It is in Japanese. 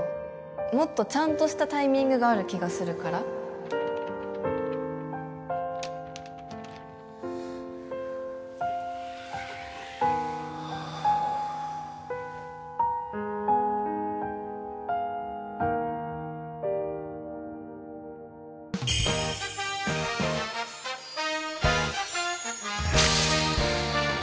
もっとちゃんとしたタイミングがある気がするからはあ泉お疲れ！